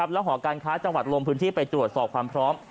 แล้วหอการค้าจังหวัดลงพื้นที่ไปตรวจสอบความพร้อม